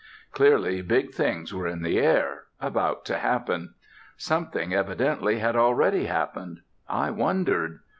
Clearly, big things were in the air, about to happen. Something, evidently, had already happened. I wondered....